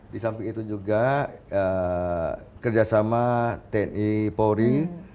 di samping itu juga kerjasama tni polri